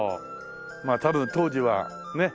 まあ多分当時はね